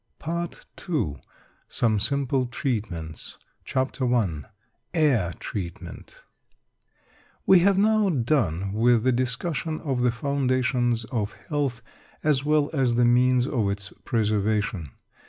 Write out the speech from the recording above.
PART II SOME SIMPLE TREATMENTS CHAPTER I AIR TREATMENT We have now done with the discussion of the foundations of health, as well as the means of its preservation.